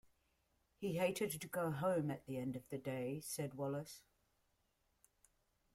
He hated to go home at the end of the day, said Wallis.